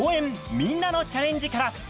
みんなのチャレンジ」から。